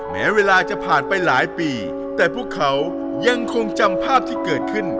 แม้เวลาจะผ่านไปหลายปีแต่พวกเขายังคงจำภาพที่เกิดขึ้น